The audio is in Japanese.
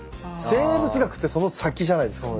生物学ってその先じゃないですか。